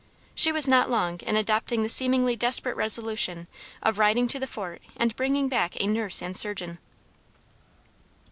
She was not long in adopting the seemingly desperate resolution of riding to the Fort and bringing back a nurse and surgeon.